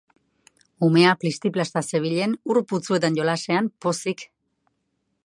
Umea plisti-plasta zebilen ur putzuetan jolasean, pozik.